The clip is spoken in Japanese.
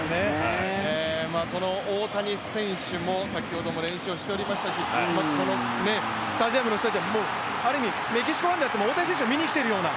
その大谷選手も先ほども練習をしておりましたし、このスタジアムの人たちは、ある意味メキシコファンであっても大谷選手を見に来ているような。